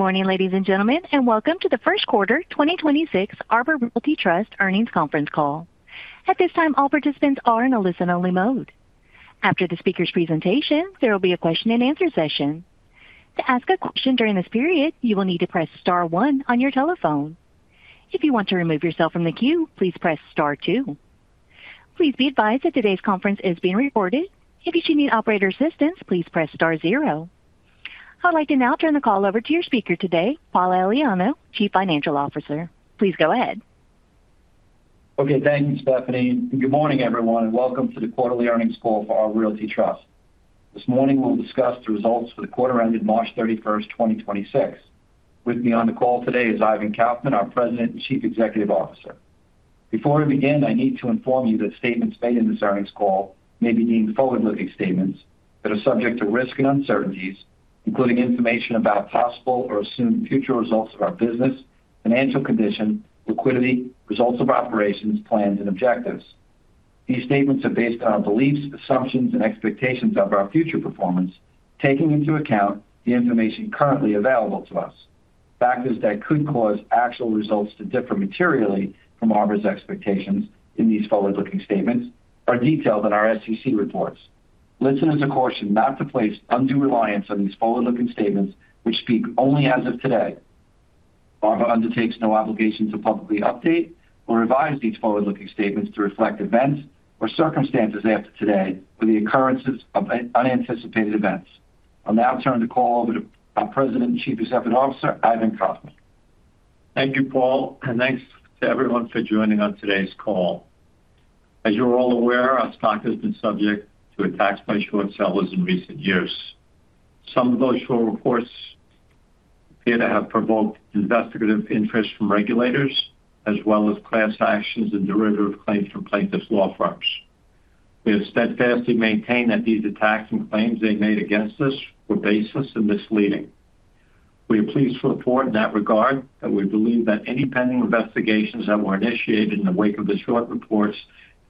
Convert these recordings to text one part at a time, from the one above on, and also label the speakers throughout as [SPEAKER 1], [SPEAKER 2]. [SPEAKER 1] Morning, ladies and gentlemen, and welcome to the first quarter 2026 Arbor Realty Trust earnings conference call. At this time, all participants are in a listen-only mode. After the speaker's presentation, there will be a question and answer session. To ask a question during this period, you will need to press star one on your telephone. If you want to remove yourself from the queue, please press star two. Please be advised that today's conference is being recorded. If you should need operator assistance, please press star zero. I'd like to now turn the call over to your speaker today, Paul Elenio, Chief Financial Officer. Please go ahead.
[SPEAKER 2] Okay, thanks, Stephanie. Good morning, everyone, and welcome to the quarterly earnings call for Arbor Realty Trust. This morning we'll discuss the results for the quarter ended March 31, 2026. With me on the call today is Ivan Kaufman, our President and Chief Executive Officer. Before we begin, I need to inform you that statements made in this earnings call may be deemed forward-looking statements that are subject to risks and uncertainties, including information about possible or assumed future results of our business, financial condition, liquidity, results of operations, plans, and objectives. These statements are based on beliefs, assumptions, and expectations of our future performance, taking into account the information currently available to us. Factors that could cause actual results to differ materially from Arbor's expectations in these forward-looking statements are detailed in our SEC reports. Listeners are cautioned not to place undue reliance on these forward-looking statements which speak only as of today. Arbor undertakes no obligation to publicly update or revise these forward-looking statements to reflect events or circumstances after today or the occurrences of unanticipated events. I'll now turn the call over to our President and Chief Executive Officer, Ivan Kaufman.
[SPEAKER 3] Thank you, Paul, and thanks to everyone for joining on today's call. As you're all aware, our stock has been subject to attacks by short sellers in recent years. Some of those short reports appear to have provoked investigative interest from regulators as well as class actions and derivative claims from plaintiffs' law firms. We have steadfastly maintained that these attacks and claims they made against us were baseless and misleading. We are pleased to report in that regard that we believe that any pending investigations that were initiated in the wake of the short reports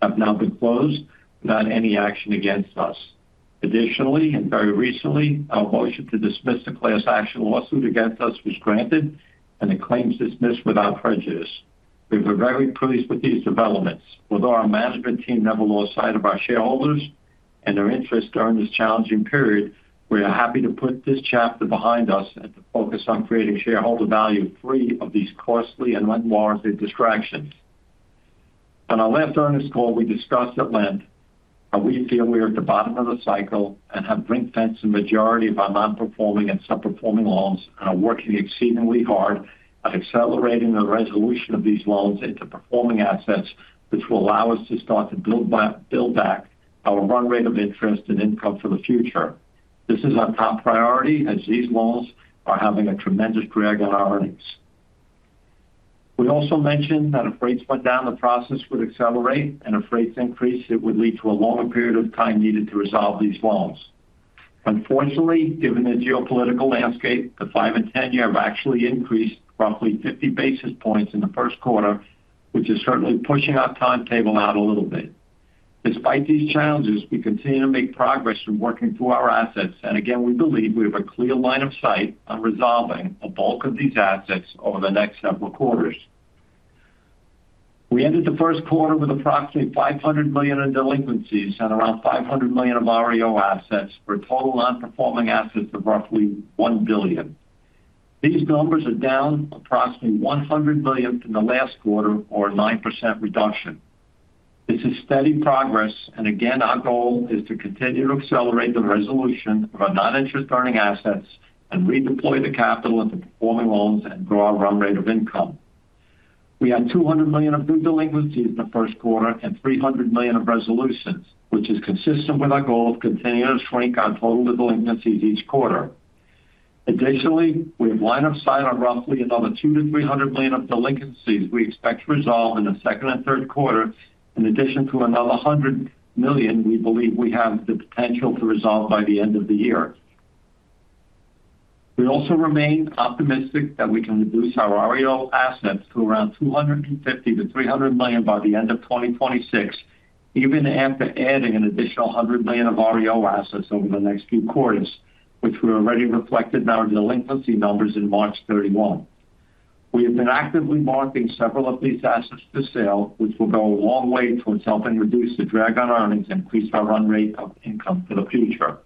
[SPEAKER 3] have now been closed without any action against us. Additionally, and very recently, our motion to dismiss the class action lawsuit against us was granted and the claim dismissed without prejudice. We were very pleased with these developments. Although our management team never lost sight of our shareholders and their interest during this challenging period, we are happy to put this chapter behind us and to focus on creating shareholder value free of these costly and unwarranted distractions. On our last earnings call, we discussed at length how we feel we are at the bottom of the cycle and have ring-fenced the majority of our non-performing and sub-performing loans and are working exceedingly hard at accelerating the resolution of these loans into performing assets which will allow us to start to build back our run rate of interest and income for the future. This is our top priority as these loans are having a tremendous drag on our earnings. We also mentioned that if rates went down, the process would accelerate, and if rates increase, it would lead to a longer period of time needed to resolve these loans. Unfortunately, given the geopolitical landscape, the five and 10-year have actually increased roughly 50 basis points in the first quarter, which is certainly pushing our timetable out a little bit. Despite these challenges, we continue to make progress from working through our assets. Again, we believe we have a clear line of sight on resolving the bulk of these assets over the next several quarters. We ended the first quarter with approximately $500 million in delinquencies and around $500 million of REO assets for total non-performing assets of roughly $1 billion. These numbers are down approximately $100 million from the last quarter or a 9% reduction. This is steady progress. Again, our goal is to continue to accelerate the resolution of our non-interest earning assets and redeploy the capital into performing loans and grow our run rate of income. We had $200 million of new delinquencies in the first quarter and $300 million of resolutions, which is consistent with our goal of continuing to shrink our total delinquencies each quarter. Additionally, we have line of sight on roughly another $200 million-$300 million of delinquencies we expect to resolve in the second and third quarter, in addition to another $100 million we believe we have the potential to resolve by the end of the year. We also remain optimistic that we can reduce our REO assets to around $250 million-$300 million by the end of 2026, even after adding an additional $100 million of REO assets over the next few quarters, which were already reflected in our delinquency numbers in March 31. We have been actively marketing several of these assets for sale, which will go a long way towards helping reduce the drag on earnings and increase our run rate of income for the future.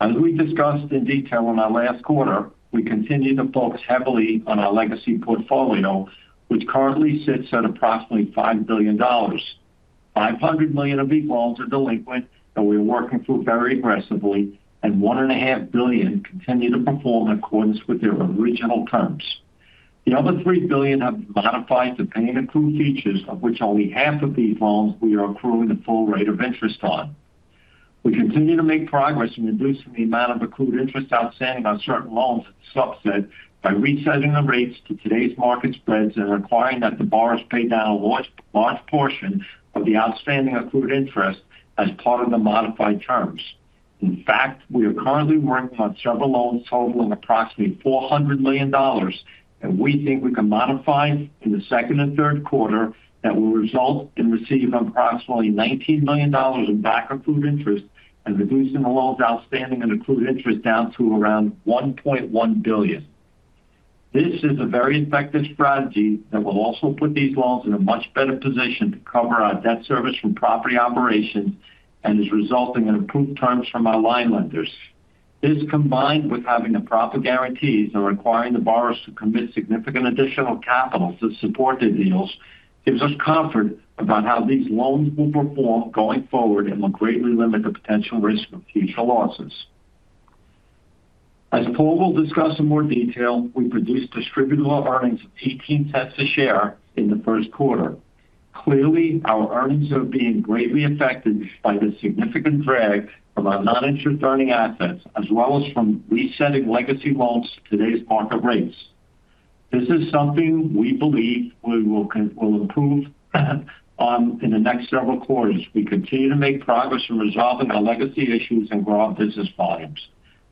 [SPEAKER 3] As we discussed in detail in our last quarter, we continue to focus heavily on our legacy portfolio, which currently sits at approximately $5 billion. $500 million of these loans are delinquent that we're working through very aggressively, and $1.5 billion continue to perform in accordance with their original terms. The other $3 billion have modified to pay-and-accrue features, of which only 1/2 of these loans we are accruing the full rate of interest on. We continue to make progress in reducing the amount of accrued interest outstanding on certain loans subset by resetting the rates to today's market spreads and requiring that the borrowers pay down a large portion of the outstanding accrued interest as part of the modified terms. In fact, we are currently working on several loans totaling approximately $400 million that we think we can modify in the second and third quarter that will result in receiving approximately $19 million in back accrued interest and reducing the loans outstanding and accrued interest down to around $1.1 billion. This is a very effective strategy that will also put these loans in a much better position to cover our debt service from property operations and is resulting in improved terms from our line lenders. This, combined with having the proper guarantees and requiring the borrowers to commit significant additional capital to support the deals, gives us comfort about how these loans will perform going forward and will greatly limit the potential risk of future losses. As Paul will discuss in more detail, we produced distributable earnings of $0.18 a share in the first quarter. Clearly, our earnings are being greatly affected by the significant drag from our non-interest earning assets as well as from resetting legacy loans to today's market rates. This is something we believe we will improve in the next several quarters. We continue to make progress in resolving our legacy issues and grow our business volumes.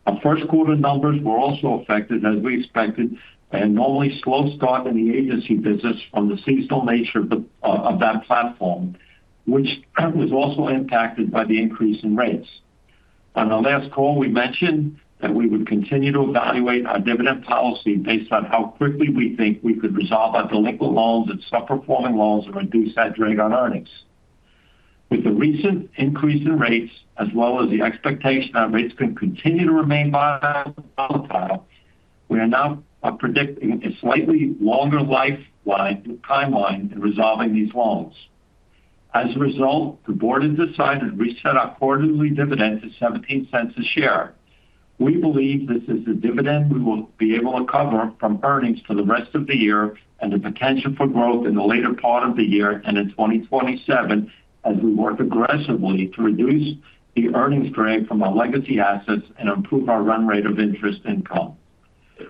[SPEAKER 3] Our first quarter numbers were also affected as we expected a normally slow start in the agency business from the seasonal nature of that platform, which was also impacted by the increase in rates. On our last call, we mentioned that we would continue to evaluate our dividend policy based on how quickly we think we could resolve our delinquent loans and sub-performing loans and reduce that drag on earnings. With the recent increase in rates as well as the expectation that rates could continue to remain volatile, we are now predicting a slightly longer life-line timeline in resolving these loans. As a result, the Board has decided to reset our quarterly dividend to $0.17 a share. We believe this is a dividend we will be able to cover from earnings for the rest of the year and the potential for growth in the later part of the year and in 2027 as we work aggressively to reduce the earnings drag from our legacy assets and improve our run rate of interest income.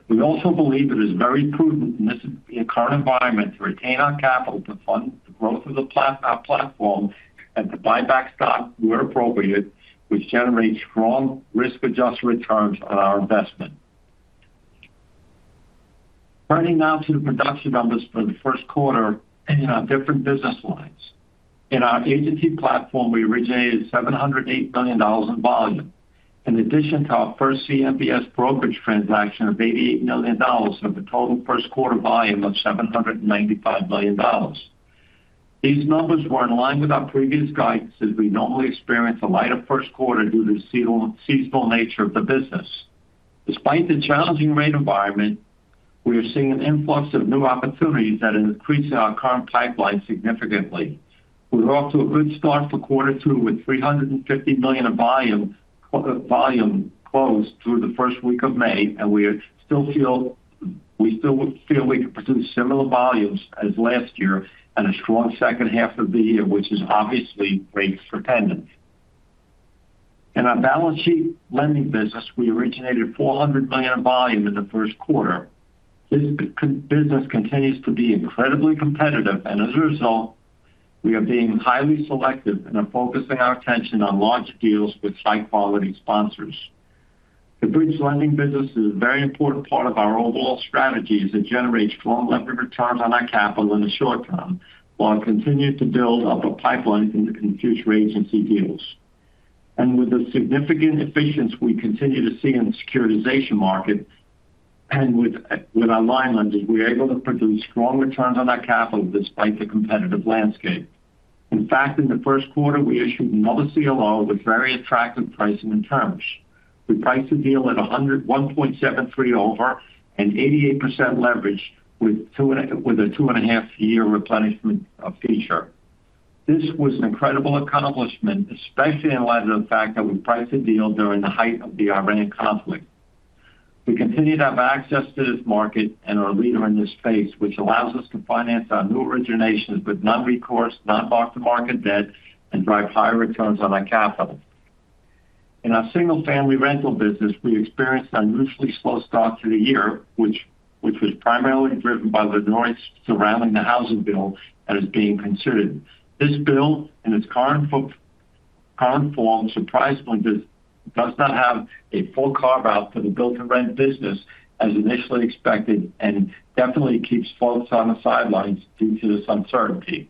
[SPEAKER 3] We also believe it is very prudent in this current environment to retain our capital to fund the growth of our platform and to buy back stock where appropriate, which generates strong risk-adjusted returns on our investment. Turning now to the production numbers for the first quarter in our different business lines. In our agency platform, we originated $708 million in volume. In addition to our first CMBS brokerage transaction of $88 million of a total first quarter volume of $795 million. These numbers were in line with our previous guidance as we normally experience a lighter first quarter due to the seasonal nature of the business. Despite the challenging rate environment, we are seeing an influx of new opportunities that is increasing our current pipeline significantly. We're off to a good start for quarter two with $350 million of volume closed through the first week of May, and we still feel we can produce similar volumes as last year and a strong second half of the year, which is obviously rates dependent. In our balance sheet lending business, we originated $400 million of volume in the first quarter. This business continues to be incredibly competitive, and as a result, we are being highly selective and are focusing our attention on large deals with high-quality sponsors. The bridge lending business is a very important part of our overall strategy as it generates strong levered returns on our capital in the short term, while it continues to build up a pipeline in the future agency deals. With the significant efficiency we continue to see in the securitization market and with our line lenders, we are able to produce strong returns on our capital despite the competitive landscape. In fact, in the first quarter, we issued another CLO with very attractive pricing and terms. We priced the deal at 1.73 over and 88% leverage with a 2.5-year replenishment feature. This was an incredible accomplishment, especially in light of the fact that we priced the deal during the height of the Iranian conflict. We continue to have access to this market and are a leader in this space, which allows us to finance our new originations with non-recourse, non-mark-to-market debt and drive higher returns on our capital. In our single-family rental business, we experienced unusually slow start to the year which was primarily driven by the noise surrounding the housing bill that is being considered. This bill, in its current form, surprisingly does not have a full carve-out for the build-to-rent business as initially expected and definitely keeps folks on the sidelines due to this uncertainty.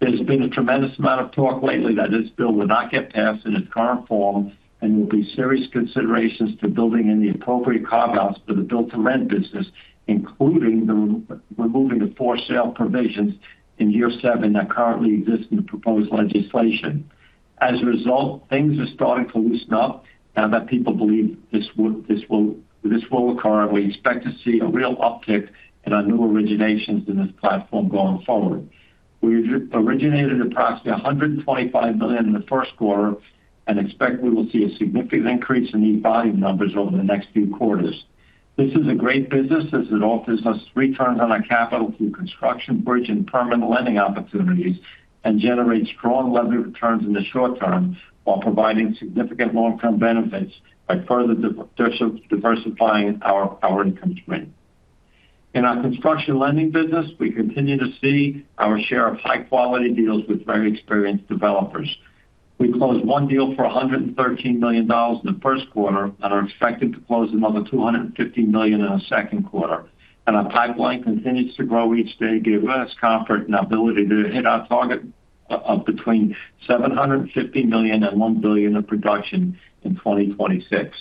[SPEAKER 3] There's been a tremendous amount of talk lately that this bill will not get passed in its current form and will be serious considerations to building in the appropriate carve-outs for the build-to-rent business, including the removing the for-sale provisions in year seven that currently exist in the proposed legislation. As a result, things are starting to loosen up now that people believe this will occur, and we expect to see a real uptick in our new originations in this platform going forward. We originated approximately $125 million in the first quarter and expect we will see a significant increase in these volume numbers over the next few quarters. This is a great business as it offers us returns on our capital through construction, bridge, and permanent lending opportunities and generates strong levered returns in the short term while providing significant long-term benefits by further diversifying our income stream. In our construction lending business, we continue to see our share of high-quality deals with very experienced developers. We closed one deal for $113 million in the first quarter and are expected to close another $250 million in the second quarter. Our pipeline continues to grow each day, give us comfort in our ability to hit our target of between $750 million and $1 billion of production in 2026.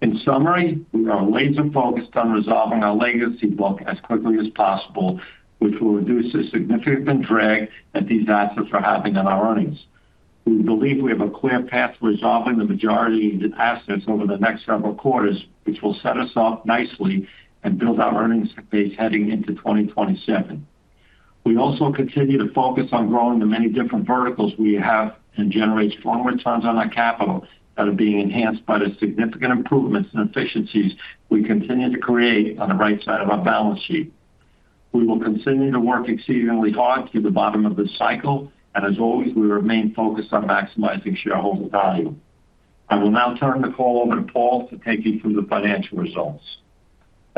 [SPEAKER 3] In summary, we are laser-focused on resolving our legacy book as quickly as possible, which will reduce the significant drag that these assets are having on our earnings. We believe we have a clear path to resolving the majority of the assets over the next several quarters, which will set us up nicely and build our earnings base heading into 2027. We also continue to focus on growing the many different verticals we have and generate strong returns on our capital that are being enhanced by the significant improvements and efficiencies we continue to create on the right side of our balance sheet. We will continue to work exceedingly hard through the bottom of this cycle. As always, we remain focused on maximizing shareholder value. I will now turn the call over to Paul to take you through the financial results.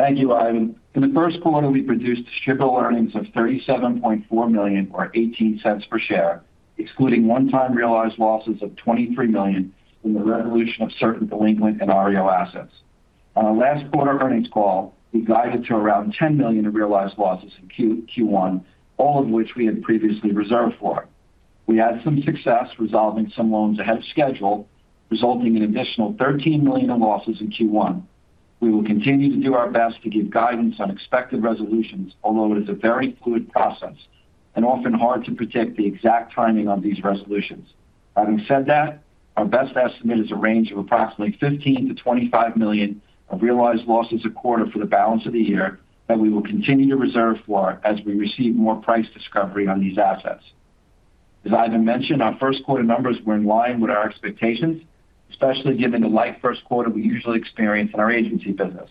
[SPEAKER 2] Thank you, Ivan. In the first quarter, we produced shareholder earnings of $37.4 million or $0.18 per share, excluding one-time realized losses of $23 million in the resolution of certain delinquent and REO assets. On our last quarter earnings call, we guided to around $10 million in realized losses in Q1, all of which we had previously reserved for. We had some success resolving some loans ahead of schedule, resulting in additional $13 million in losses in Q1. We will continue to do our best to give guidance on expected resolutions, although it is a very fluid process and often hard to predict the exact timing of these resolutions. Having said that, our best estimate is a range of approximately $15 million-$25 million of realized losses a quarter for the balance of the year that we will continue to reserve for as we receive more price discovery on these assets. As Ivan mentioned, our first quarter numbers were in line with our expectations, especially given the light first quarter we usually experience in our agency business.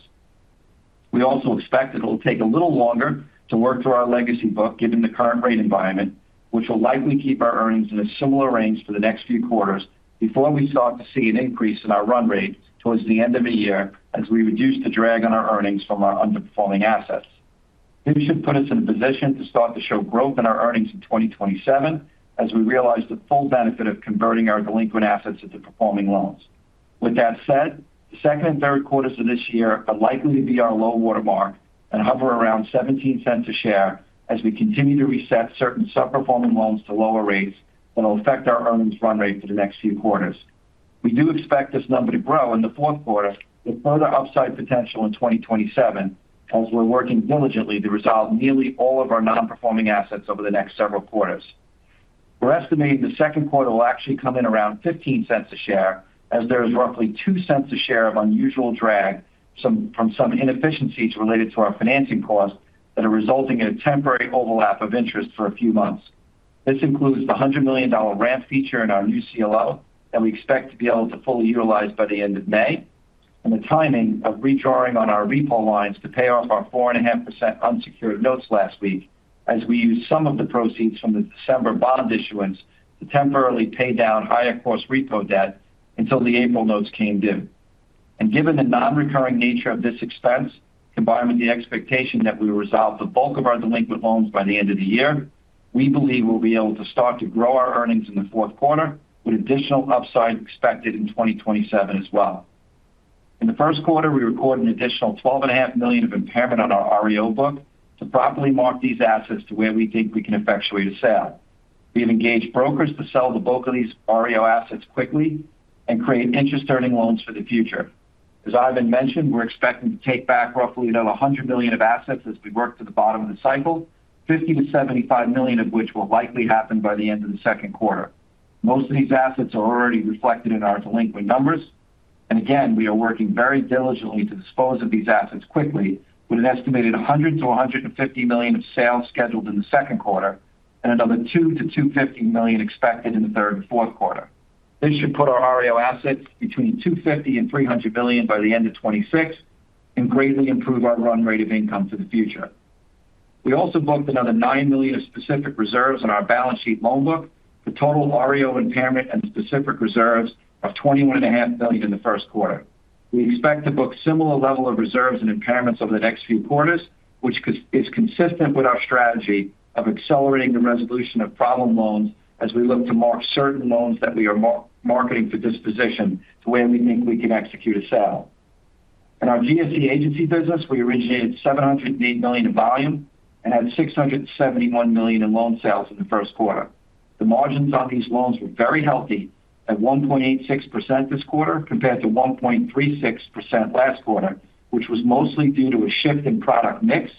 [SPEAKER 2] We also expect that it'll take a little longer to work through our legacy book given the current rate environment, which will likely keep our earnings in a similar range for the next few quarters before we start to see an increase in our run rate towards the end of the year as we reduce the drag on our earnings from our underperforming assets. This should put us in a position to start to show growth in our earnings in 2027 as we realize the full benefit of converting our delinquent assets into performing loans. With that said, the second and third quarters of this year are likely to be our low water mark and hover around $0.17 a share as we continue to reset certain underperforming loans to lower rates that'll affect our earnings run rate for the next few quarters. We do expect this number to grow in the fourth quarter with further upside potential in 2027 as we're working diligently to resolve nearly all of our non-performing assets over the next several quarters. We're estimating the second quarter will actually come in around $0.15 a share as there is roughly $0.02 a share of unusual drag from some inefficiencies related to our financing costs that are resulting in a temporary overlap of interest for a few months. This includes the $100 million ramp feature in our new CLO that we expect to be able to fully utilize by the end of May, and the timing of redrawing on our repo lines to pay off our 4.5% unsecured notes last week as we used some of the proceeds from the December bond issuance to temporarily pay down higher cost repo debt until the April notes came due. Given the non-recurring nature of this expense, combined with the expectation that we resolve the bulk of our delinquent loans by the end of the year, we believe we'll be able to start to grow our earnings in the fourth quarter, with additional upside expected in 2027 as well. In the first quarter, we recorded an additional $12.5 million of impairment on our REO book to properly mark these assets to where we think we can effectuate a sale. We have engaged brokers to sell the bulk of these REO assets quickly and create interest-earning loans for the future. As Ivan mentioned, we're expecting to take back roughly another $100 million of assets as we work to the bottom of the cycle, $50 million-$75 million of which will likely happen by the end of the second quarter. Most of these assets are already reflected in our delinquent numbers. And again, we are working very diligently to dispose of these assets quickly with an estimated $100 million-$150 million of sales scheduled in the second quarter and another $200 million-$250 million expected in the third and fourth quarter. This should put our REO assets between $250 million and $300 million by the end of 2026 and greatly improve our run rate of income for the future. We also booked another $9 million of specific reserves on our balance sheet loan book for total REO impairment and specific reserves of $21.5 million in the first quarter. We expect to book similar level of reserves and impairments over the next few quarters, which is consistent with our strategy of accelerating the resolution of problem loans as we look to mark certain loans that we are marketing for disposition to where we think we can execute a sale. In our GSE agency business, we originated $708 million in volume and had $671 million in loan sales in the first quarter. The margins on these loans were very healthy at 1.86% this quarter compared to 1.36% last quarter, which was mostly due to a shift in product mix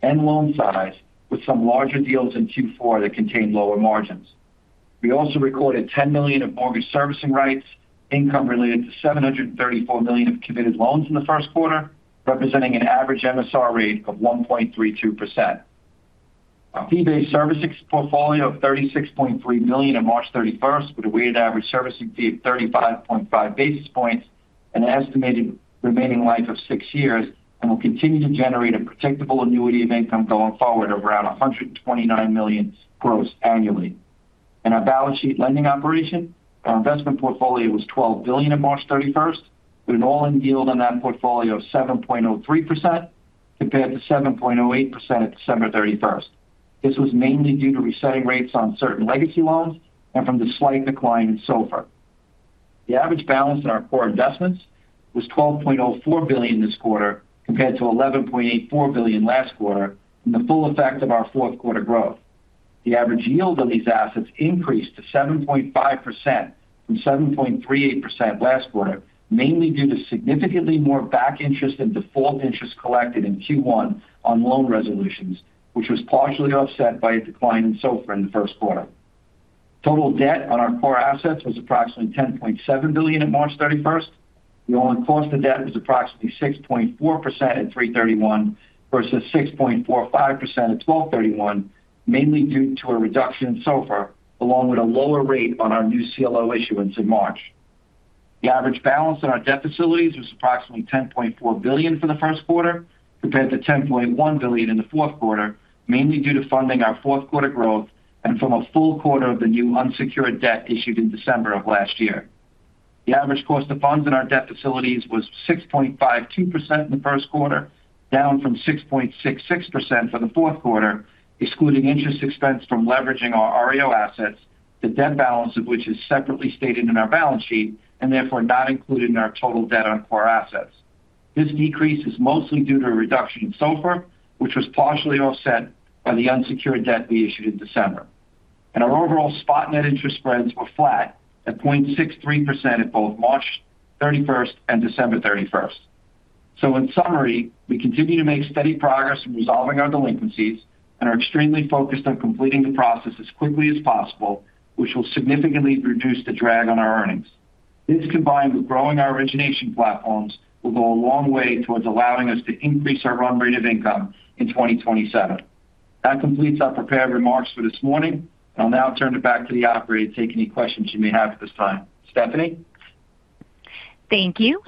[SPEAKER 2] and loan size with some larger deals in Q4 that contained lower margins. We also recorded $10 million of mortgage servicing rights income related to $734 million of committed loans in the first quarter, representing an average MSR rate of 1.32%. Our fee-based servicing portfolio of $36.3 million on March 31st with a weighted average servicing fee of 35.5 basis points and an estimated remaining life of six years and will continue to generate a predictable annuity of income going forward of around $129 million gross annually. In our balance sheet lending operation, our investment portfolio was $12 billion on March 31st with an all-in yield on that portfolio of 7.03% compared to 7.08% at December 31st. This was mainly due to resetting rates on certain legacy loans and from the slight decline in SOFR. The average balance in our core investments was $12.04 billion this quarter compared to $11.84 billion last quarter and the full effect of our fourth quarter growth. The average yield on these assets increased to 7.5% from 7.38% last quarter, mainly due to significantly more back interest and default interest collected in Q1 on loan resolutions, which was partially offset by a decline in SOFR in the first quarter. Total debt on our core assets was approximately $10.7 billion at March thirty-first. The all-in cost of debt was approximately 6.4% at 3/31 versus 6.45% at 12/31, mainly due to a reduction in SOFR, along with a lower rate on our new CLO issuance in March. The average balance on our debt facilities was approximately $10.4 billion for the first quarter compared to $10.1 billion in the fourth quarter, mainly due to funding our fourth quarter growth and from a full quarter of the new unsecured debt issued in December of last year. The average cost of funds in our debt facilities was 6.52% in the first quarter, down from 6.66% for the fourth quarter, excluding interest expense from leveraging our REO assets, the debt balance of which is separately stated in our balance sheet and therefore not included in our total debt on core assets. This decrease is mostly due to a reduction in SOFR, which was partially offset by the unsecured debt we issued in December. Our overall spot net interest spreads were flat at 0.63% at both March 31st and December 31st. In summary, we continue to make steady progress in resolving our delinquencies and are extremely focused on completing the process as quickly as possible, which will significantly reduce the drag on our earnings. This, combined with growing our origination platforms, will go a long way towards allowing us to increase our run rate of income in 2027. That completes our prepared remarks for this morning. I'll now turn it back to the operator to take any questions you may have at this time. Stephanie?
[SPEAKER 1] Thank you.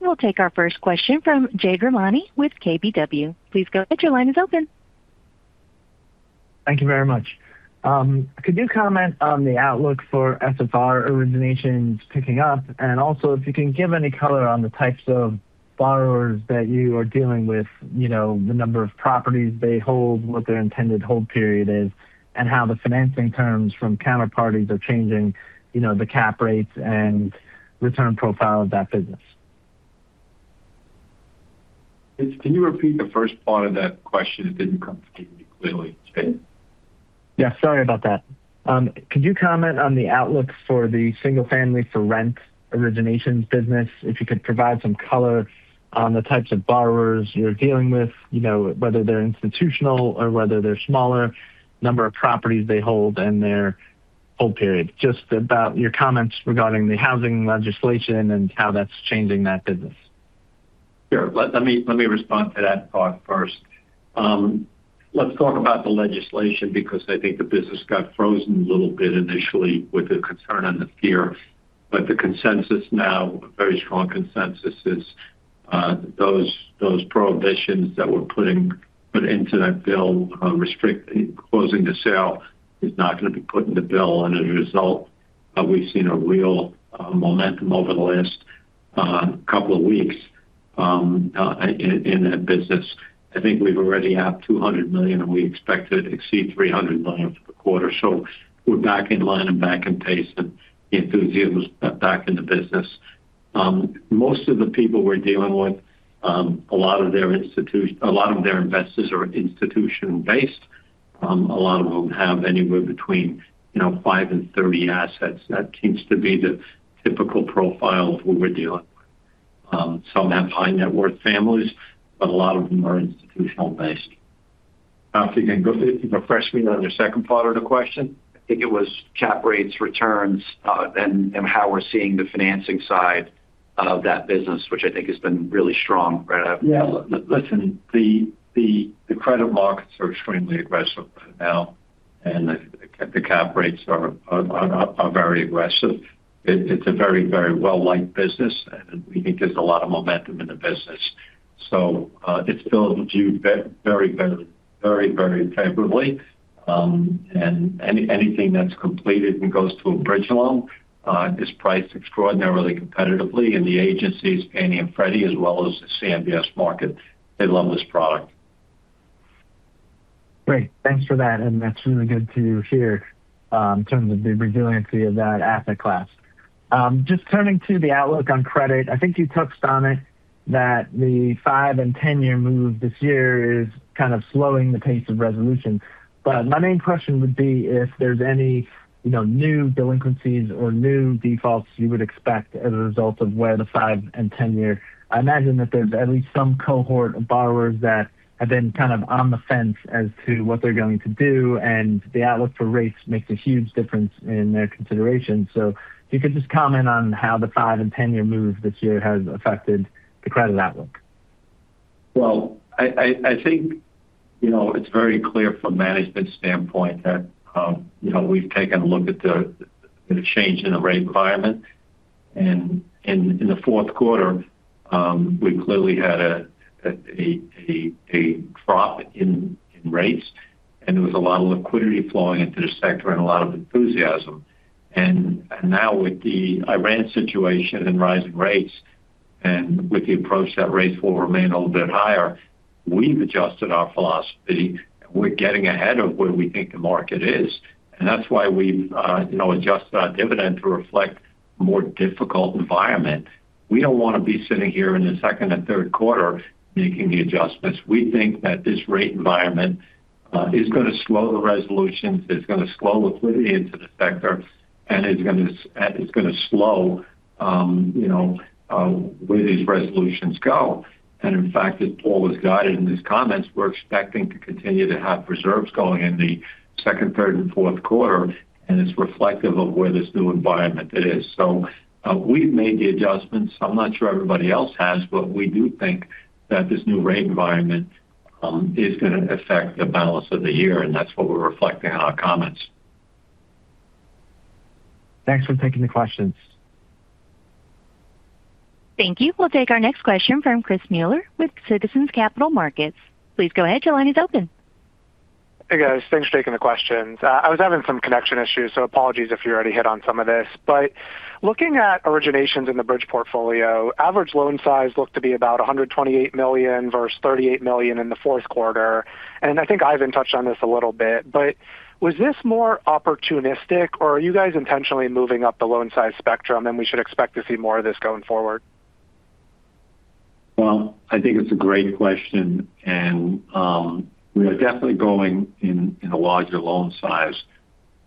[SPEAKER 1] We'll take our first question from Jade Rahmani with KBW. Please go ahead. Your line is open.
[SPEAKER 4] Thank you very much. Could you comment on the outlook for SFR originations picking up? Also if you can give any color on the types of borrowers that you are dealing with, you know, the number of properties they hold, what their intended hold period is, and how the financing terms from counterparties are changing, you know, the cap rates and return profile of that business.
[SPEAKER 3] Can you repeat the first part of that question? It didn't come through clearly. Jade?
[SPEAKER 4] Yeah, sorry about that. Could you comment on the outlook for the single-family for rent originations business? If you could provide some color on the types of borrowers you're dealing with, you know, whether they're institutional or whether they're smaller, number of properties they hold and their hold period. Just about your comments regarding the housing legislation and how that's changing that business.
[SPEAKER 3] Sure. Let me respond to that part first. Let's talk about the legislation because I think the business got frozen a little bit initially with the concern and the fear. The consensus now, a very strong consensus, is those prohibitions that we're putting, put into that bill, closing the sale is not going to be put in the bill. As a result, we've seen a real momentum over the last couple of weeks in that business. I think we've already have $200 million, we expect to exceed $300 million for the quarter. We're back in line and back in pace and enthusiasm is back in the business. Most of the people we're dealing with, a lot of their investors are institution-based. A lot of them have anywhere between, you know, five and 30 assets. That seems to be the typical profile of who we're dealing with. Some have high net worth families, but a lot of them are institutional-based. After we can go through, can you refresh me on your second part of the question?
[SPEAKER 2] I think it was cap rates, returns, and how we're seeing the financing side of that business, which I think has been really strong right out.
[SPEAKER 3] Yeah. Listen, the credit markets are extremely aggressive right now, and the cap rates are very aggressive. It's a very, very well-liked business, and we think there's a lot of momentum in the business. It's viewed very favorably. Anything that's completed and goes to a bridge loan is priced extraordinarily competitively. The agencies, Fannie and Freddie, as well as the CMBS market, they love this product.
[SPEAKER 4] Great. Thanks for that's really good to hear in terms of the resiliency of that asset class. Just turning to the outlook on credit, I think you touched on it that the five- and 10-year move this year is kind of slowing the pace of resolution. My main question would be if there's any, you know, new delinquencies or new defaults you would expect as a result of where the five- and 10-year. I imagine that there's at least some cohort of borrowers that have been kind of on the fence as to what they're going to do, the outlook for rates makes a huge difference in their consideration. If you could just comment on how the five- and 10-year move this year has affected the credit outlook.
[SPEAKER 3] Well, I think, you know, it's very clear from management standpoint that, you know, we've taken a look at the change in the rate environment. In the fourth quarter, we clearly had a drop in rates. There was a lot of liquidity flowing into the sector and a lot of enthusiasm. Now with the Iran situation and rising rates and with the approach that rates will remain a little bit higher, we've adjusted our philosophy. We're getting ahead of where we think the market is, and that's why we, you know, adjust our dividend to reflect more difficult environment. We don't wanna be sitting here in the second and third quarter making the adjustments. We think that this rate environment is gonna slow the resolutions. It's gonna slow liquidity into the sector, and it's gonna slow, you know, where these resolutions go. In fact, as Paul has guided in his comments, we're expecting to continue to have reserves going in the second, third, and fourth quarter, and it's reflective of where this new environment is. We've made the adjustments. I'm not sure everybody else has, but we do think that this new rate environment is gonna affect the balance of the year, and that's what we reflect in our comments.
[SPEAKER 4] Thanks for taking the questions.
[SPEAKER 1] Thank you. We'll take our next question from Chris Muller with Citizens Capital Markets. Please go ahead. Your line is open.
[SPEAKER 5] Hey, guys. Thanks for taking the questions. I was having some connection issues, so apologies if you already hit on some of this. Looking at originations in the bridge portfolio, average loan size looked to be about $128 million versus $38 million in the fourth quarter. I think Ivan touched on this a little bit, but was this more opportunistic, or are you guys intentionally moving up the loan size spectrum, and we should expect to see more of this going forward?
[SPEAKER 3] Well, I think it's a great question, and, we are definitely going in a larger loan size.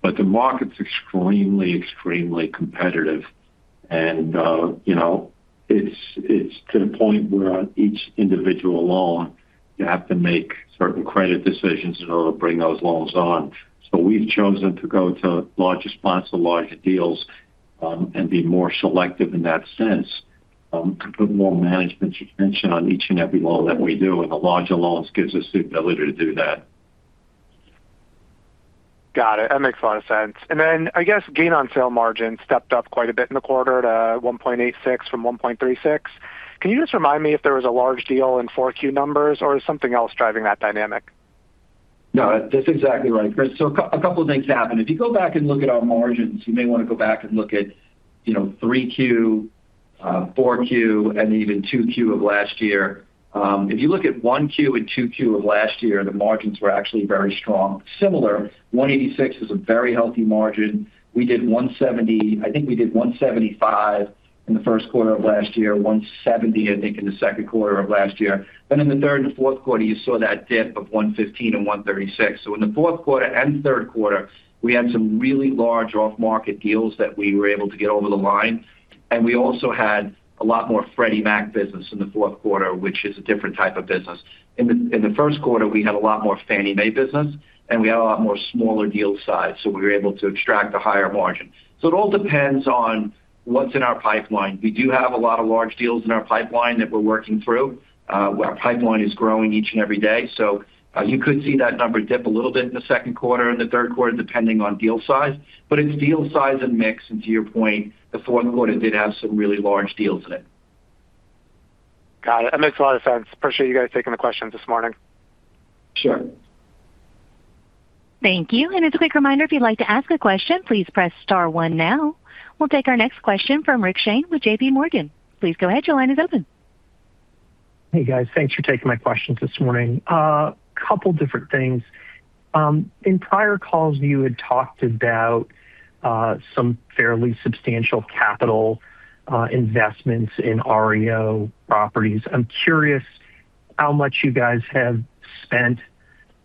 [SPEAKER 3] The market's extremely competitive. You know, it's to the point where on each individual loan you have to make certain credit decisions in order to bring those loans on. We've chosen to go to larger spots or deals, and be more selective in that sense, to put more management attention on each and every loan that we do, and the larger loans gives us the ability to do that.
[SPEAKER 5] Got it. That makes a lot of sense. I guess gain on sale margin stepped up quite a bit in the quarter to 1.86% from 1.36%. Can you just remind me if there was a large deal in 4Q numbers, or is something else driving that dynamic?
[SPEAKER 2] No, that's exactly right, Chris. A couple of things happened. If you go back and look at our margins, you may wanna go back and look at, you know, 3Q, 4Q, and even 2Q of last year. If you look at 1Q and 2Q of last year, the margins were actually very strong. Similar, 186 is a very healthy margin. We did 170 I think we did 175 in the first quarter of last year, 170, I think, in the second quarter of last year. In the third and fourth quarter, you saw that dip of 115 and 136. In the fourth quarter and third quarter, we had some really large off-market deals that we were able to get over the line, and we also had a lot more Freddie Mac business in the fourth quarter, which is a different type of business. In the first quarter, we had a lot more Fannie Mae business, and we had a lot more smaller deal size, so we were able to extract a higher margin. It all depends on what's in our pipeline. We do have a lot of large deals in our pipeline that we're working through. Our pipeline is growing each and every day. You could see that number dip a little bit in the second quarter and the third quarter, depending on deal size. It's deal size and mix. To your point, the fourth quarter did have some really large deals in it.
[SPEAKER 5] Got it. That makes a lot of sense. Appreciate you guys taking the questions this morning.
[SPEAKER 2] Sure.
[SPEAKER 1] Thank you. As a quick reminder, if you'd like to ask a question, please press star one now. We'll take our next question from Rick Shane with JPMorgan. Please go ahead. Your line is open.
[SPEAKER 6] Hey, guys. Thanks for taking my questions this morning. Couple different things. In prior calls, you had talked about some fairly substantial capital investments in REO properties. I'm curious how much you guys have spent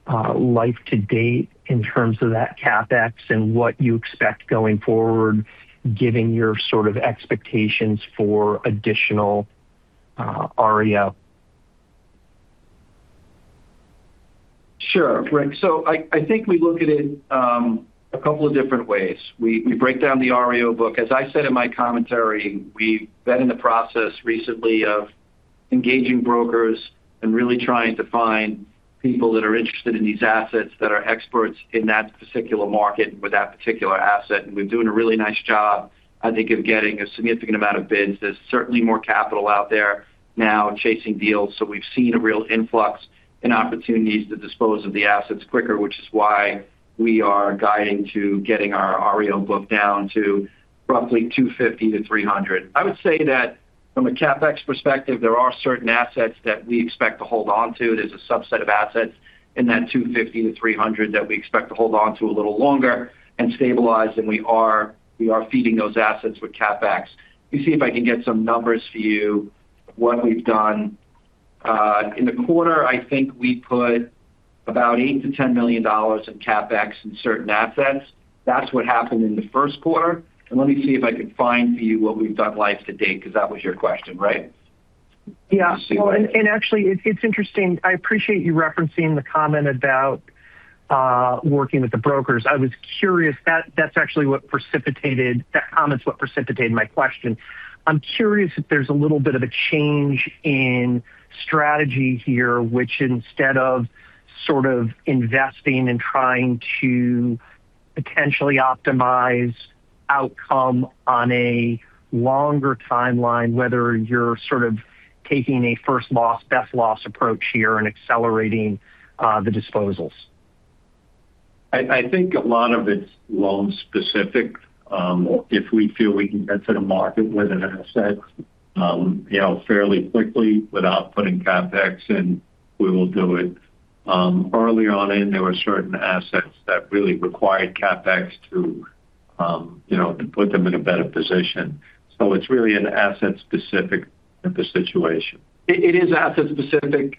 [SPEAKER 6] life to date in terms of that CapEx and what you expect going forward, given your sort of expectations for additional REO.
[SPEAKER 2] Sure, Rick. I think we look at it a couple of different ways. We break down the REO book. As I said in my commentary, we've been in the process recently of engaging brokers and really trying to find people that are interested in these assets that are experts in that particular market with that particular asset. We're doing a really nice job, I think, of getting a significant amount of bids. There's certainly more capital out there now chasing deals, we've seen a real influx in opportunities to dispose of the assets quicker, which is why we are guiding to getting our REO book down to roughly $250 million-$300 million. I would say that from a CapEx perspective, there are certain assets that we expect to hold onto. There's a subset of assets in that $250 million-$300 million that we expect to hold onto a little longer and stabilize, we are feeding those assets with CapEx. Let me see if I can get some numbers for you, what we've done. In the quarter, I think we put about $8 million-$10 million in CapEx in certain assets. That's what happened in the first quarter. Let me see if I can find for you what we've done life to date, because that was your question, right?
[SPEAKER 6] Yeah.
[SPEAKER 2] Let's see.
[SPEAKER 6] Well, and actually it's interesting. I appreciate you referencing the comment about working with the brokers. I was curious. That comment's what precipitated my question. I'm curious if there's a little bit of a change in strategy here, which instead of sort of investing and trying to potentially optimize outcome on a longer timeline, whether you're sort of taking a first loss, best loss approach here and accelerating the disposals.
[SPEAKER 3] I think a lot of it's loan specific. If we feel we can get to the market with an asset, you know, fairly quickly without putting CapEx in, we will do it. Early on, there were certain assets that really required CapEx to, you know, to put them in a better position. It's really an asset-specific type of situation.
[SPEAKER 2] It is asset-specific,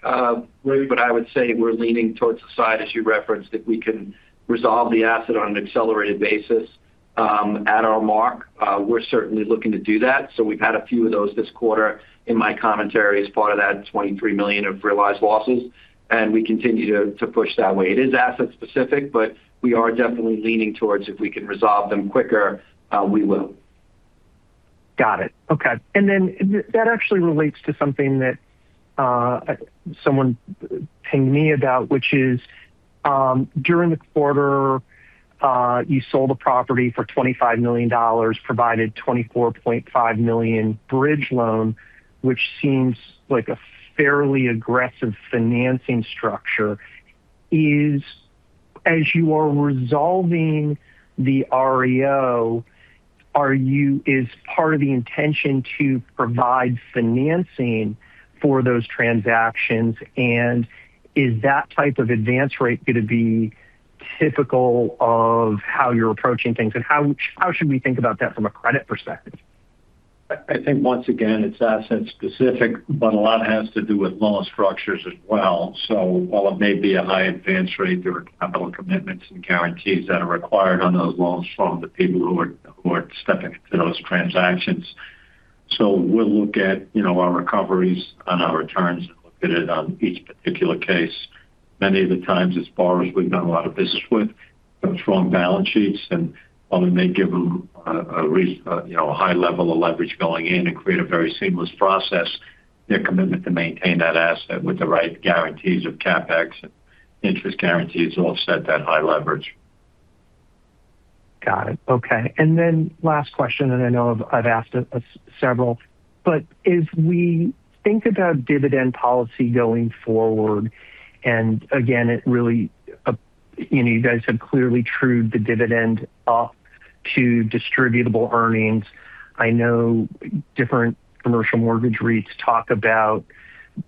[SPEAKER 2] maybe, but I would say we're leaning towards the side, as you referenced, if we can resolve the asset on an accelerated basis, at our mark. We're certainly looking to do that. We've had a few of those this quarter in my commentary as part of that $23 million of realized losses, and we continue to push that way. It is asset specific. We are definitely leaning towards if we can resolve them quicker, we will.
[SPEAKER 6] Got it. Okay. That actually relates to something that someone pinged me about, which is, during the quarter, you sold a property for $25 million, provided $24.5 million bridge loan, which seems like a fairly aggressive financing structure. As you are resolving the REO, is part of the intention to provide financing for those transactions, and is that type of advance rate gonna be typical of how you're approaching things, and how should we think about that from a credit perspective?
[SPEAKER 3] I think once again it's asset specific, but a lot has to do with loan structures as well. While it may be a high advance rate, there are capital commitments and guarantees that are required on those loans from the people who are stepping into those transactions. We'll look at, you know, our recoveries on our returns and look at it on each particular case. Many of the times it's borrowers we've done a lot of business with, have strong balance sheets and while we may give them a, you know, a high-level of leverage going in and create a very seamless process, their commitment to maintain that asset with the right guarantees of CapEx and interest guarantees offset that high leverage.
[SPEAKER 6] Got it. Okay. Last question, I know I've asked several, as we think about dividend policy going forward, again, it really, you know, you guys have clearly trued the dividend up to distributable earnings. I know different commercial mortgage REITs talk about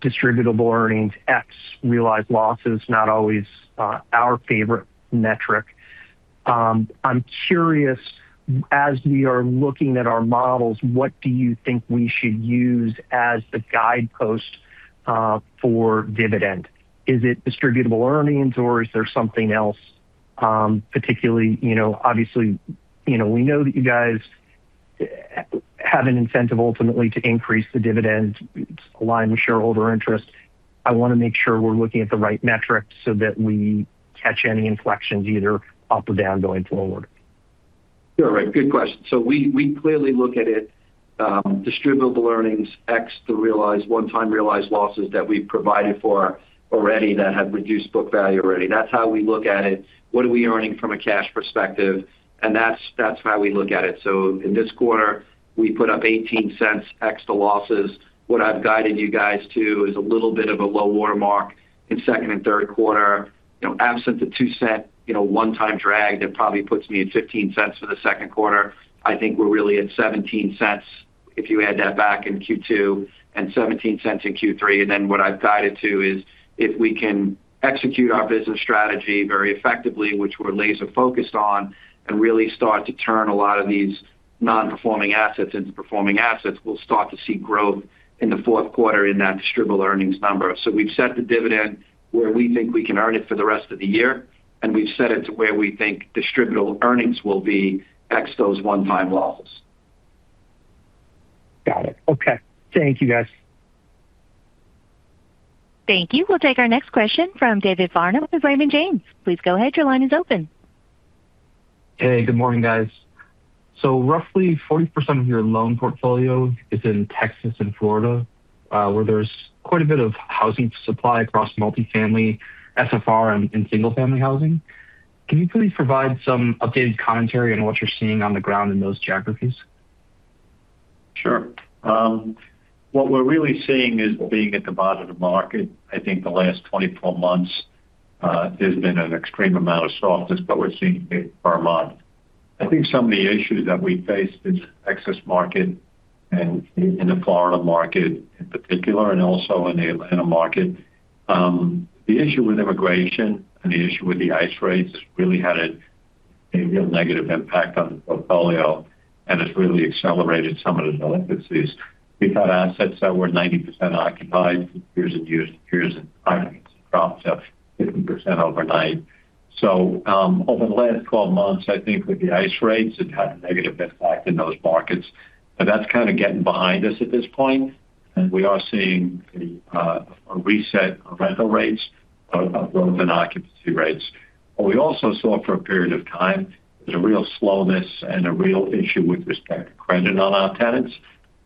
[SPEAKER 6] distributable earnings ex realized losses, not always, our favorite metric. I'm curious, as we are looking at our models, what do you think we should use as the guidepost for dividend? Is it distributable earnings, or is there something else, particularly, you know, obviously, you know, we know that you guys have an incentive ultimately to increase the dividend, it's aligned with shareholder interest. I wanna make sure we're looking at the right metrics so that we catch any inflections either up or down going forward.
[SPEAKER 2] You're right. Good question. We clearly look at it, distributable earnings ex the realized, one-time realized losses that we've provided for already that have reduced book value already. That's how we look at it. What are we earning from a cash perspective? That's how we look at it. In this quarter, we put up $0.18 ex the losses. What I've guided you guys to is a little bit of a low watermark in second and third quarter. You know, absent the $0.02, you know, one-time drag that probably puts me at $0.15 for the second quarter. I think we're really at $0.17 if you add that back in Q2 and $0.17 in Q3. What I've guided to is if we can execute our business strategy very effectively, which we're laser focused on, and really start to turn a lot of these non-performing assets into performing assets, we'll start to see growth in the fourth quarter in that distributable earnings number. We've set the dividend where we think we can earn it for the rest of the year, and we've set it to where we think distributable earnings will be ex those one-time losses.
[SPEAKER 6] Got it. Okay. Thank you, guys.
[SPEAKER 1] Thank you. We'll take our next question from David Farnum with Raymond James. Please go ahead, your line is open.
[SPEAKER 7] Hey, good morning, guys. Roughly 40% of your loan portfolio is in Texas and Florida, where there's quite a bit of housing supply across multi-family, SFR and single-family housing. Can you please provide some updated commentary on what you're seeing on the ground in those geographies?
[SPEAKER 3] Sure. What we're really seeing is being at the bottom of the market, I think the last 24 months, there's been an extreme amount of softness, but we're seeing it per month. I think some of the issues that we face is excess market and in the Florida market in particular and also in the Atlanta market. The issue with immigration and the issue with the ICE raids really had a real negative impact on the portfolio, and it's really accelerated some of the delinquencies. We've had assets that were 90% occupied for years and years and years and occupancy dropped to 50% overnight. Over the last 12 months, I think with the ICE raids, it's had a negative impact in those markets. That's kind of getting behind us at this point, and we are seeing a reset of rental rates, growth in occupancy rates. We also saw for a period of time, there's a real slowness and a real issue with respect to credit on our tenants.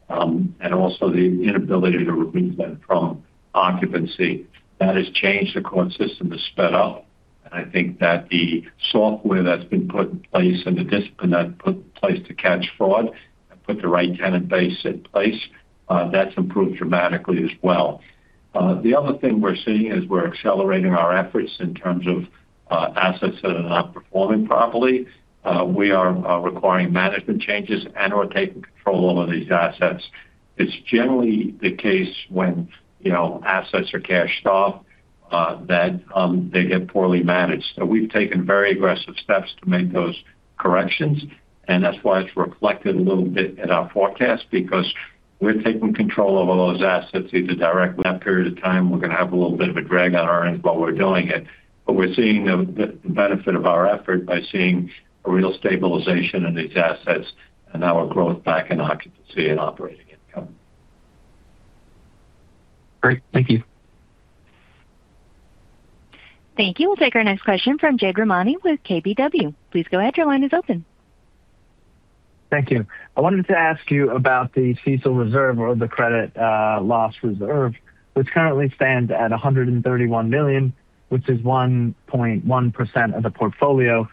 [SPEAKER 3] Also the inability to remove them from occupancy. That has changed. The court system has sped up. I think that the software that's been put in place and the discipline that put in place to catch fraud and put the right tenant base in place, that's improved dramatically as well. The other thing we're seeing is we're accelerating our efforts in terms of assets that are not performing properly. We are requiring management changes and/or taking control of these assets. It's generally the case when, you know, assets are cash-starved, that they get poorly managed. We've taken very aggressive steps to make those corrections, and that's why it's reflected a little bit in our forecast because we're taking control of all those assets. That period of time, we're gonna have a little bit of a drag on our earnings while we're doing it. We're seeing the benefit of our effort by seeing a real stabilization in these assets and now a growth back in occupancy and operating income.
[SPEAKER 7] Great. Thank you.
[SPEAKER 1] Thank you. We'll take our next question from Jade Rahmani with KBW. Please go ahead. Your line is open.
[SPEAKER 4] Thank you. I wanted to ask you about the CECL reserve or the credit loss reserve, which currently stands at $131 million, which is 1.1% of the portfolio.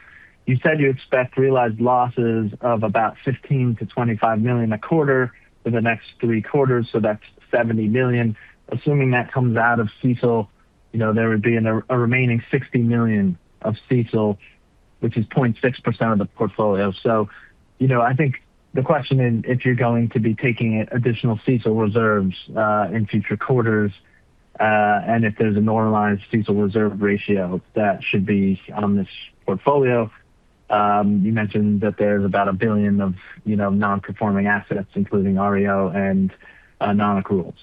[SPEAKER 4] You said you expect realized losses of about $15 million-$25 million a quarter for the next three quarters, so that's $70 million. Assuming that comes out of CECL, you know, there would be a remaining $60 million of CECL, which is 0.6% of the portfolio. You know, I think the question is if you're going to be taking additional CECL reserves in future quarters, and if there's a normalized CECL reserve ratio that should be on this portfolio. You mentioned that there's about $1 billion of, you know, non-performing assets, including REO and non-accruals.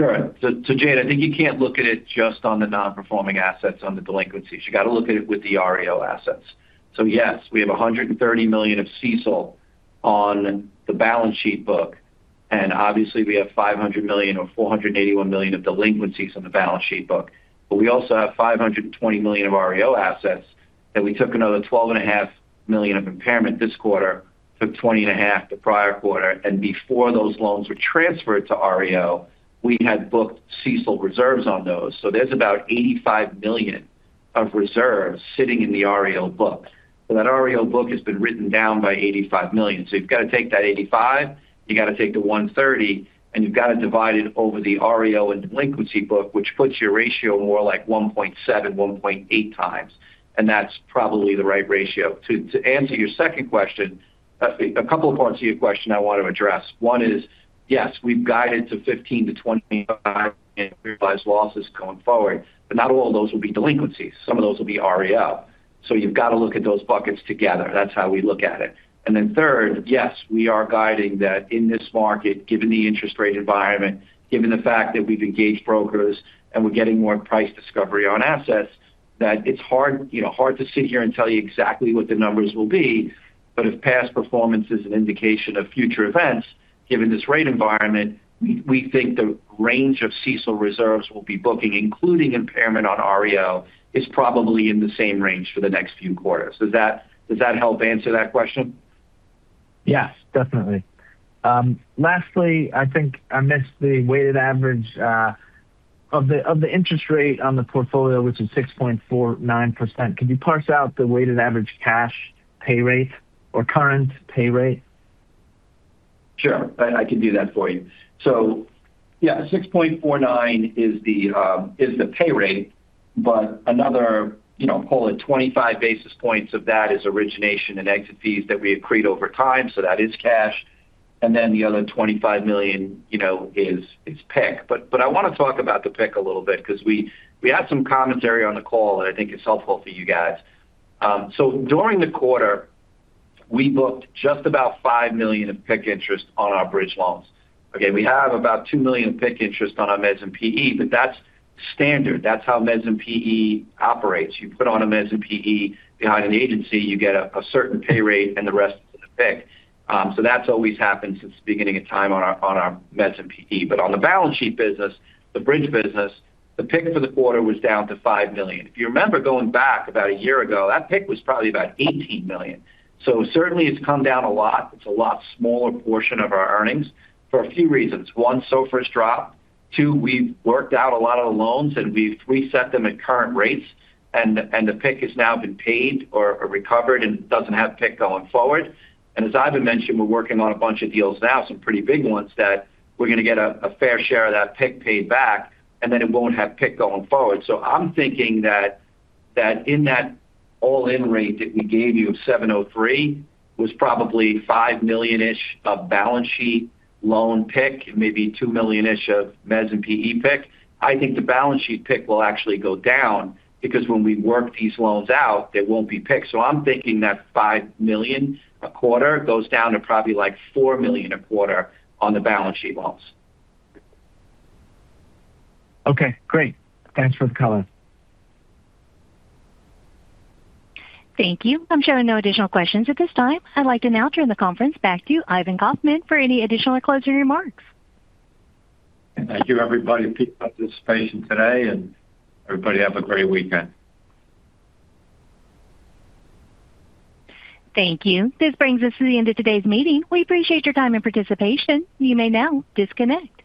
[SPEAKER 2] Sure. Jade, I think you can't look at it just on the non-performing assets, on the delinquencies. You gotta look at it with the REO assets. Yes, we have $130 million of CECL on the balance sheet book, and obviously we have $500 million or $481 million of delinquencies on the balance sheet book. We also have $520 million of REO assets that we took another $12.5 million of impairment this quarter, took $20.5 million the prior quarter. Before those loans were transferred to REO, we had booked CECL reserves on those. There's about $85 million of reserves sitting in the REO book. That REO book has been written down by $85 million. You've gotta take that $85 million, you gotta take the $130 million, and you've gotta divide it over the REO and delinquency book, which puts your ratio more like 1.7x, 1.8x, and that's probably the right ratio. To answer your second question, a couple of parts of your question I want to address. One is, yes, we've guided to 15-25 in realized losses going forward, but not all of those will be delinquencies. Some of those will be REO. You've gotta look at those buckets together. That's how we look at it. Third, yes, we are guiding that in this market, given the interest rate environment, given the fact that we've engaged brokers and we're getting more price discovery on assets, that it's hard, you know, hard to sit here and tell you exactly what the numbers will be. If past performance is an indication of future events, given this rate environment, we think the range of CECL reserves we'll be booking, including impairment on REO, is probably in the same range for the next few quarters. Does that help answer that question?
[SPEAKER 4] Yes, definitely. Lastly, I think I missed the weighted average of the interest rate on the portfolio, which is 6.49%. Can you parse out the weighted average cash pay rate or current pay rate?
[SPEAKER 2] Sure. I can do that for you. Yeah, 6.49 is the pay rate. Another, you know, call it 25 basis points of that is origination and exit fees that we accrued over time. That is cash. The other $25 million, you know, is PIK. I wanna talk about the PIK a little bit 'cause we had some commentary on the call. I think it's helpful for you guys. During the quarter, we booked just about $5 million of PIK interest on our bridge loans. Okay, we have about $2 million PIK interest on our mezz and PE. That's standard. That's how Mezz and PE operates. You put on a Mezz and PE behind an agency, you get a certain pay rate and the rest is a PIK. That's always happened since the beginning of time on our, on our Mezz and PE. On the balance sheet business, the bridge business, the PIK for the quarter was down to $5 million. If you remember going back about a year ago, that PIK was probably about $18 million. Certainly it's come down a lot. It's a lot smaller portion of our earnings for a few reasons. One, SOFRs dropped. Two, we've worked out a lot of the loans, and we've reset them at current rates, and the PIK has now been paid or recovered and doesn't have PIK going forward. As Ivan mentioned, we're working on a bunch of deals now, some pretty big ones, that we're gonna get a fair share of that PIK paid back, and then it won't have PIK going forward. I'm thinking that in that all-in rate that we gave you of 7.03 was probably $5 million-ish of balance sheet loan PIK, maybe $2 million-ish of Mezz and PE PIK. I think the balance sheet PIK will actually go down because when we work these loans out, there won't be PIK. I'm thinking that $5 million a quarter goes down to probably, like, $4 million a quarter on the balance sheet loans.
[SPEAKER 4] Okay, great. Thanks for the color.
[SPEAKER 1] Thank you. I'm showing no additional questions at this time. I'd like to now turn the conference back to Ivan Kaufman for any additional or closing remarks.
[SPEAKER 3] Thank you, everybody, for your participation today, and everybody have a great weekend.
[SPEAKER 1] Thank you. This brings us to the end of today's meeting. We appreciate your time and participation. You may now disconnect.